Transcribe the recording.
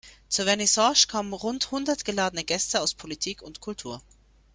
Zur Vernissage kamen rund hundert geladene Gäste aus Politik und Kultur.